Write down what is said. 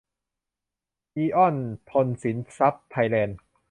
อิออน ธนสินทรัพย์ ไทยแลนด์